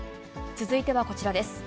続いてはこちらです。